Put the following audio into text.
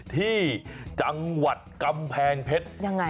ที่จังหวัดกำแพงเพชรยังไง